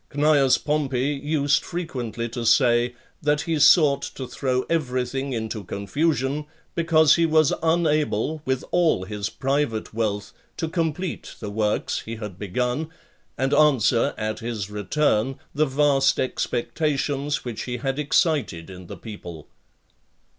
Cneius Pompey used frequently to say, that he sought to throw every thing into confusion, because he was unable, with all his private wealth, to complete the works he had begun, and answer, at his return, the vast expectations which he had excited in the people.